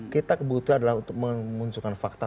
kita kebutuhan adalah untuk mengunculkan fakta